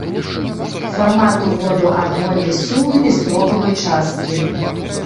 Фармат уводу адвольнай сумы без дробавай часткі.